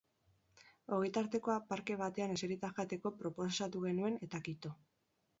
Ogitartekoa parke batean eserita jateko proposatu genuen eta kito.